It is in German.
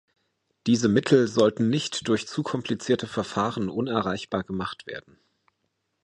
Diese Mittel sollten nicht durch zu komplizierte Verfahren unerreichbar gemacht werden.